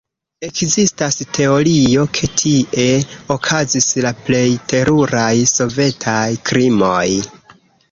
Ekzistas teorio, ke tie okazis la plej teruraj sovetaj krimoj.